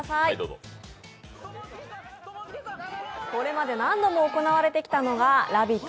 これまで何度も行われてきたのが、「ラヴィット！